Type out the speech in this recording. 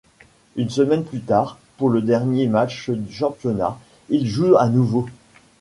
Une semaine plus tard, pour le dernier match du championnat, il joue à nouveau.